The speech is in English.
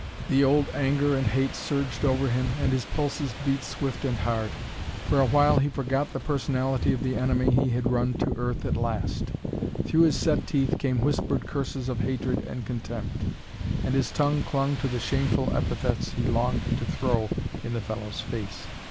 The old anger and hate surged over him, and his pulses beat swift and hard. For a while he forgot the personality of the enemy he had run to earth at last. Through his set teeth came whispered curses of hatred and contempt, and his tongue clung to the shameful epithets he longed to throw in the fellow's face.